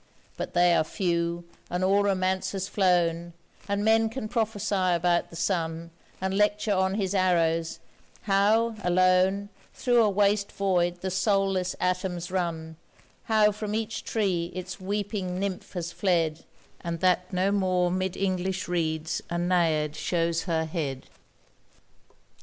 But they are few, and all romance has flown, And men can prophesy about the sun, And lecture on his arrows—how, alone, Through a waste void the soulless atoms run, How from each tree its weeping nymph has fled, And that no more 'mid English reeds a Naiad shows her head.